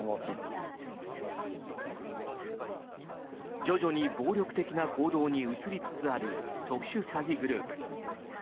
徐々に暴力的な行動に移りつつある特殊詐欺グループ。